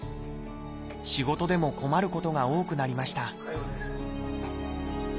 仕事でも困ることが多くなりました